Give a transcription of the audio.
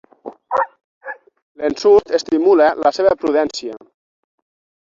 L'ensurt estimula la seva prudència.